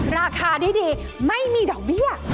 ราคาดีไม่มีดอกเบี้ย